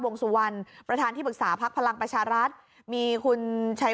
วงสุวรรณประธานที่ปรึกษาพักพลังประชารัฐมีคุณชัย